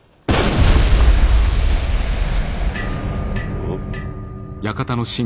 おっ。